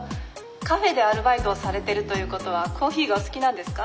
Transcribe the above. カフェでアルバイトをされてるということはコーヒーがお好きなんですか？」。